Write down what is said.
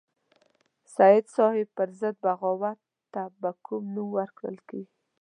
د سید صاحب پر ضد بغاوت ته به کوم نوم ورکول کېږي.